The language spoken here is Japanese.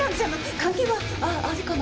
関係はあるかな？